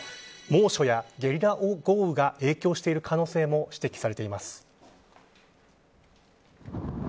猛暑やゲリラ豪雨が影響している可能性も指摘されています